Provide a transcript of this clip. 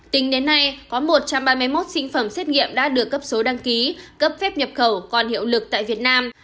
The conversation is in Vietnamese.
tính đến nay có một trăm ba mươi một sinh phẩm xét nghiệm đã được cấp số đăng ký cấp phép nhập khẩu còn hiệu lực tại việt nam